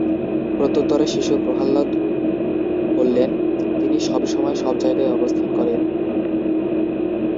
প্রত্যুত্তরে শিশু প্রহ্লাদ বললেন, "তিনি সবসময়, সব জায়গায় অবস্থান করেন।"